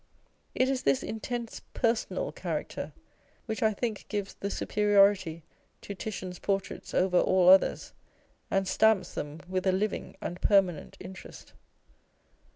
It is this intense personal cha racter which, I think, gives the superiority to Titian's portraits over all others, and stamps them with a living and permanent interest.